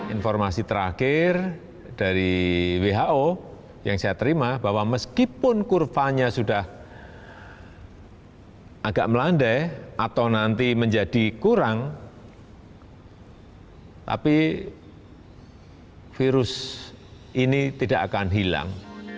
informasi terakhir dari who yang saya terima bahwa meskipun kurvanya sudah agak melandai atau nanti menjadi kurang tapi virus ini tidak akan hilang